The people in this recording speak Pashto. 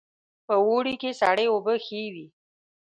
په اوړي کې سړې اوبه ښې وي